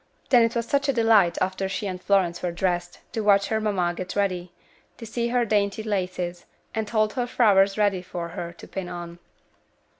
Then it was such a delight, after she and Florence were dressed, to watch her mamma get ready; to see her dainty laces, and hold her flowers ready for her to pin on.